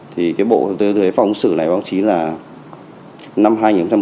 thì cái bộ tư thế tác phong ứng xử này báo chí là năm hai nghìn một mươi sáu